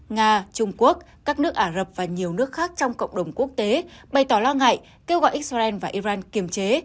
nga trung quốc các nước ả rập và nhiều nước khác trong cộng đồng quốc tế bày tỏ lo ngại kêu gọi israel và iran kiềm chế